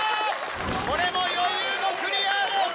これも余裕のクリアです。